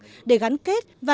để gắn kết và lãnh đạo của các bên